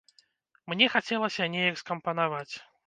Мне хацелася неяк скампанаваць.